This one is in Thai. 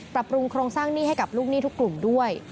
ปรับปรุงโครงสร้างหนี้ให้กับลูกหนี้ทุกกลุ่มด้วย